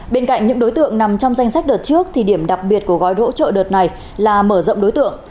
bên cạnh những đối tượng nằm trong danh sách đợt trước thì điểm đặc biệt của gói hỗ trợ đợt này là mở rộng đối tượng